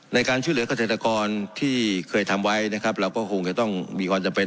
ในการช่วยเหลือกเกษตรกรที่เคยทำไว้นะครับเราก็คงจะต้องมีความจำเป็น